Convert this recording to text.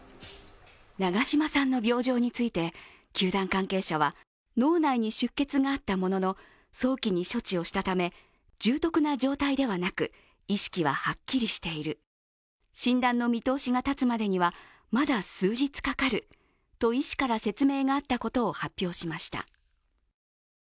長嶋さんの病状について、球団関係者は脳内に出血があったものの早期の処置をしたため重篤な状態ではなく、意識ははっきりしている、診断の見通しが立つまでには、まだ数日かかると医師から説明があったことを発表しました。